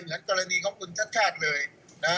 เหมือนกรณีของคุณชัดชาติเลยนะฮะ